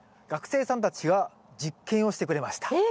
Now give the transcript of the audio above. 学生さんたちが実験をしてくれました。